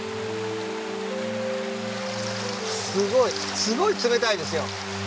すごいすごい冷たいですよ。